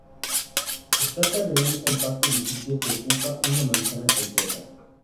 Se trata de un compacto edificio que ocupa una manzana completa.